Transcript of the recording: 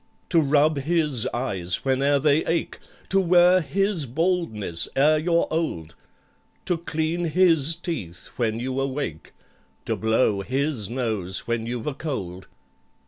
"To rub his eyes whene'er they ache— To wear his baldness ere you're old— To clean his teeth when you awake— To blow his nose when you've a cold!"